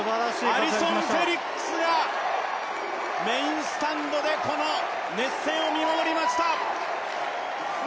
アリソン・フェリックスがメインスタンドでこの熱戦を見守りました。